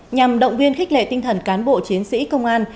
nhằm động viên khích lệ tinh thần cán bộ chiến sĩ công an